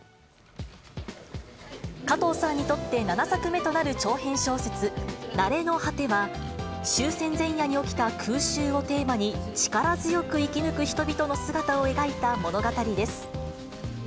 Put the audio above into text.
加藤さんにとって７作目となる長編小説、なれのはては、終戦前夜に起きた空襲をテーマに、力強く生き抜く人々の姿を描いた物語です。